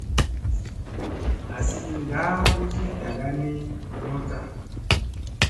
Azi ŋgaa usi dagani moɗta.